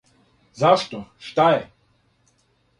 Зашто, шта је?